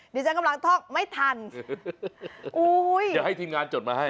ดิฉันกำลังท่องไม่ทันอุ้ยเดี๋ยวให้ทีมงานจดมาให้